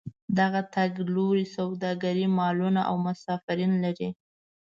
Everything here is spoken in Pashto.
دغه تګ لوري سوداګرۍ مالونه او مسافرین لري.